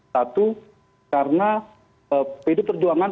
satu karena pdi perjuangan